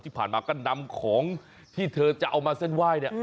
ที่ผ่านมาก็นำของที่เธอจะเอามาเส้นไหว้เนี่ย